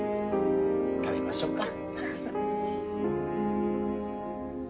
食べましょっか。